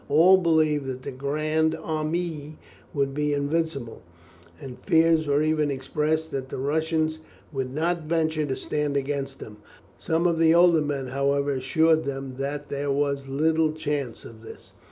All believed that the Grande Armée would be invincible, and fears were even expressed that the Russians would not venture to stand against them. Some of the older men, however, assured them that there was little chance of this.